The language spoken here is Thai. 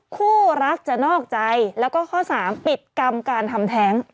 คู่รักจะนอกใจแล้วก็ข้อสามปิดกรรมการทำแท้ง